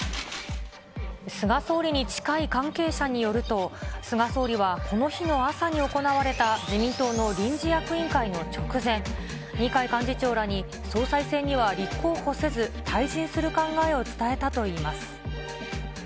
菅総理に近い関係者によると、菅総理はこの日の朝に行われた自民党の臨時役員会の直前、二階幹事長らに総裁選には立候補せず、退陣する考えを伝えたといいます。